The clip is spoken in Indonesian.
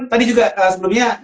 tadi juga sebelumnya